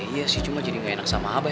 iya sih cuma jadi gak enak sama abah